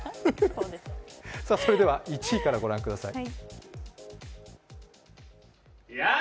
それでは、１位からご覧ください。